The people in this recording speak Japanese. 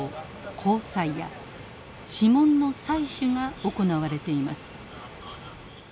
虹彩や指紋の採取が行われています。